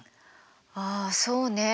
あそうね。